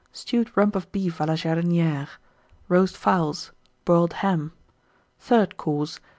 Stewed Rump of Beef à la Jardinière. Roast Fowls. Boiled Ham. THIRD COURSE.